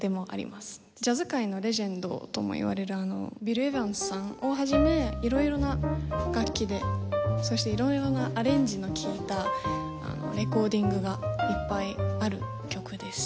ジャズ界のレジェンドともいわれるビル・エヴァンスさんを始めいろいろな楽器でそしていろいろなアレンジの利いたレコーディングがいっぱいある曲です。